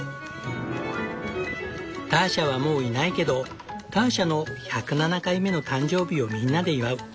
ターシャはもういないけどターシャの１０７回目の誕生日をみんなで祝う。